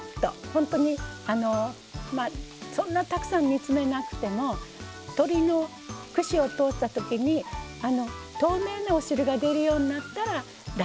ほんとにあのそんなたくさん煮詰めなくても鶏の串を通したときに透明なお汁が出るようになったら大丈夫です。